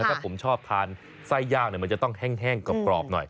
ถ้าผมชอบทานไส้ย่างมันจะต้องแห้งกรอบหน่อย